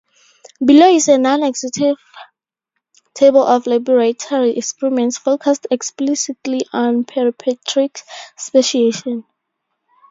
Below is a non-exhaustive table of laboratory experiments focused explicitly on peripatric speciation.